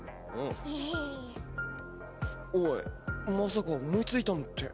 おいまさか思いついたのって。